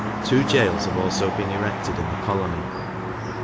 Two jails have also been erected in the colony.